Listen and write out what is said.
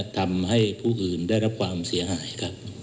ทำให้ผู้อื่นได้รับความเสียหายครับ